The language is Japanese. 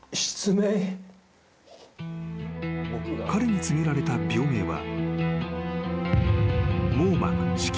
［彼に告げられた病名は］